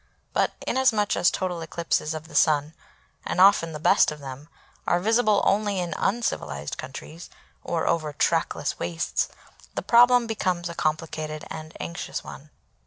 But inasmuch as total eclipses of the Sun, and often the best of them, are visible only in uncivilised countries or over trackless wastes, the problem becomes a complicated and anxious one.